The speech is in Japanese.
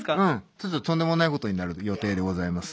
ちょっととんでもないことになる予定でございます。